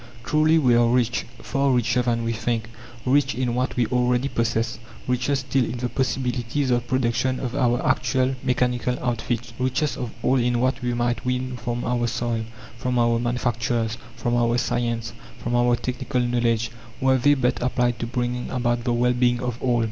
Truly, we are rich far richer than we think; rich in what we already possess, richer still in the possibilities of production of our actual mechanical outfit; richest of all in what we might win from our soil, from our manufactures, from our science, from our technical knowledge, were they but applied to bringing about the well being of all.